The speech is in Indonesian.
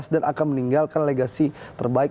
akan meninggalkan legasi terbaik